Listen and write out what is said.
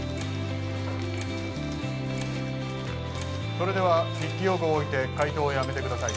・それでは筆記用具を置いて解答をやめてください